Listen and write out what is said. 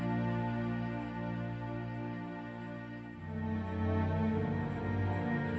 semoga saja semuanya terjahat